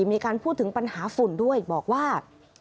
มีการพูดถึงปัญหาฝุ่นด้วยบอกว่า